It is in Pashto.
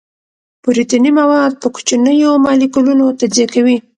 پروتیني مواد په کوچنیو مالیکولونو تجزیه کوي.